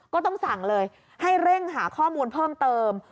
ก็ต้องสั่งเลยให้เร่งหาข้อมูลเพิ่มเติม